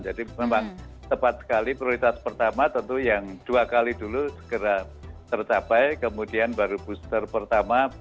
jadi memang tepat sekali prioritas pertama tentu yang dua kali dulu segera tercapai kemudian baru booster pertama